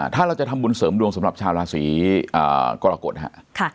ถ้าเราจะทำบุญเสริมดวงสำหรับชาวราศีกรกฎฮะ